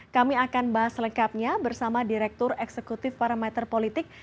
kami akan bahas lengkapnya bersama direktur eksekutif parameter politik